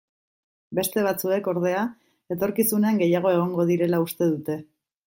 Beste batzuek, ordea, etorkizunean gehiago egongo direla uste dute.